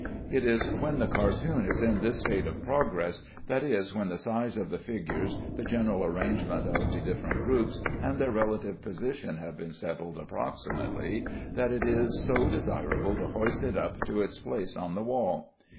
It is when the cartoon is in this state of progress that is, when the size of the figures, the general arrangement of the different groups, and their relative position have been settled approximately that it is so desirable to hoist it up to its place on the wall.